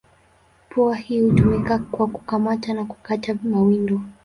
Pua hii hutumika kwa kukamata na kukata mawindo.